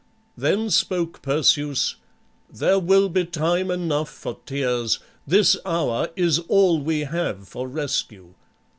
Then spoke Perseus: "There will be time enough for tears; this hour is all we have for rescue.